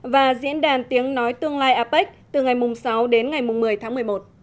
và diễn đàn tiếng nói tương lai apec từ ngày sáu đến ngày một mươi tháng một mươi một